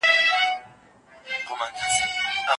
ښځه د انسانیت د بقا ضامنه او د کمالاتو مجموعه ده.